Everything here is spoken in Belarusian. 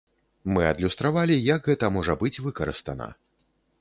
Мы адлюстравалі, як гэта можа быць выкарыстана.